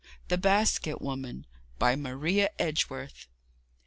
THE BASKET WOMAN MARIA EDGEWORTH.